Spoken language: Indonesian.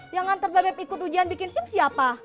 yang nganter bebep ikut ujian bikin sim siapa